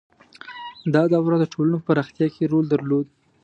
• دا دوره د ټولنو په پراختیا کې رول درلود.